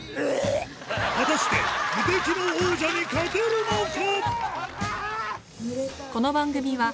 果たして無敵の王者に勝てるのか？